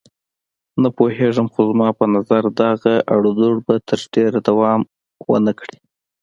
نه پوهېږم، خو زما په نظر دغه اړودوړ به تر ډېره دوام ونه کړي.